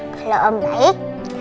kalau om baik